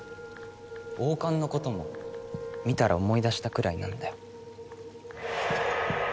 王冠のことも見たら思い出したくらいなんだよ。